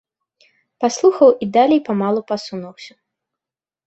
Паслухаў і далей памалу пасунуўся.